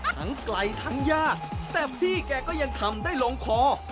ไกลทั้งยากแต่พี่แกก็ยังทำได้ลงคอ